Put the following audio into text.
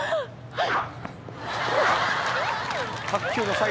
はい！